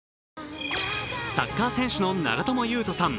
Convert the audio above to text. サッカー選手の長友佑都さん